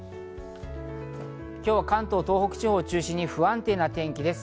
今日は関東、東北地方を中心に不安定な天気です。